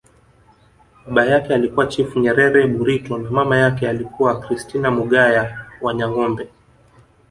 Baba yake alikuwa Chifu Nyerere Burito na mama yake alikuwa Christina Mugaya Wanyangombe